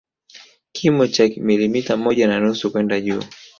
Kimo cha milimita moja na nusu kwenda juu